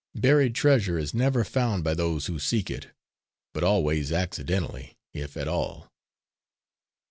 Buried treasure is never found by those who seek it, but always accidentally, if at all."